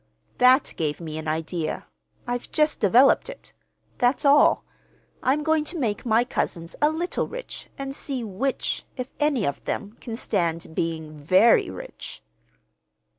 That gave me an idea. I've just developed it. That's all. I'm going to make my cousins a little rich, and see which, if any of them, can stand being very rich."